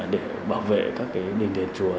để bảo vệ các đình đền chùa